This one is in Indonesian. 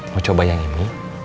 mau coba yang ini